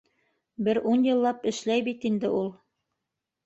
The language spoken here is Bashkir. Бер ун йыллап эшләй бит инде ул!